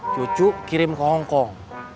cucu kirim ke hongkong